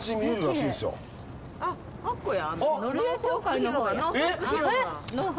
あっこや。